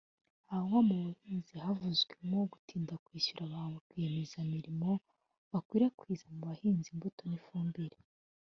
aho nko mu buhinzi havuzwemo gutinda kwishyura ba rwiyemezamirimo bakwirakwiza mu bahinzi imbuto n’ifumbire